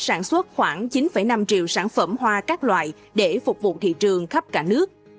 sản xuất khoảng chín năm triệu sản phẩm hoa các loại để phục vụ thị trường khắp cả nước